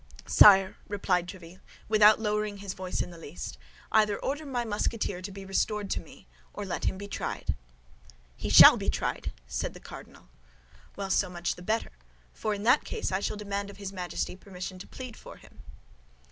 "Sire," replied Tréville, without lowering his voice in the least, "either order my Musketeer to be restored to me, or let him be tried." "He shall be tried," said the cardinal. "Well, so much the better; for in that case I shall demand of his Majesty permission to plead for him."